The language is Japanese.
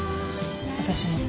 私も。